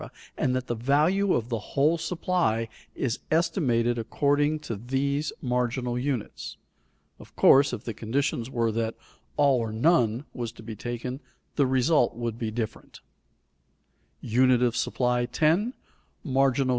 and that the value of the whole supply is estimated according to these marginal units. Of course if the conditions were that "all or none" was to be taken, the result would be different.